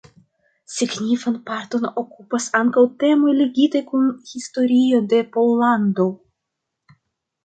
Signifan parton okupas ankaŭ temoj ligitaj kun historio de Pollando.